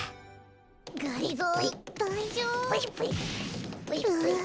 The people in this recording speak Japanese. がりぞーだいじょうぶ？